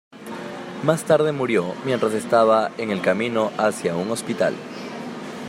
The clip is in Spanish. Más tarde murió mientras estaba en el camino hacia un hospital.